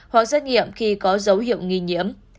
hoặc xét nghiệm khi có dấu hiệu nghi nhiễm